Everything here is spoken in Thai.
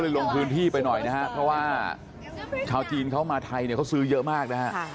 ลงพื้นที่ไปหน่อยนะครับเพราะว่าชาวจีนเขามาไทยเนี่ยเขาซื้อเยอะมากนะฮะ